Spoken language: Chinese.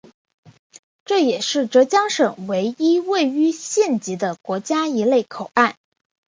这也是浙江省唯一位于县级的国家一类口岸。